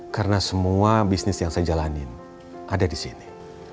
karena semua bisnis yang saya jalanin ada di sini